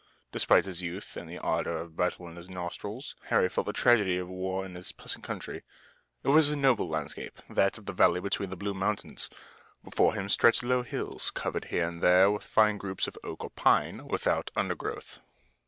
Despite his youth and the ardor of battle in his nostrils, Harry felt the tragedy of war in this pleasant country. It was a noble landscape, that of the valley between the blue mountains. Before him stretched low hills, covered here and there with fine groups of oak or pine without undergrowth.